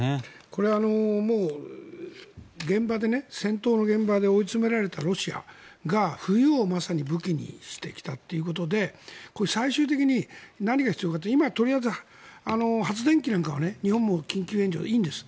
これ、戦闘の現場で追い詰められたロシアが冬をまさに武器にしてきたということで最終的に何が必要かというと今、とりあえず発電機なんかは日本も緊急援助でいいんです。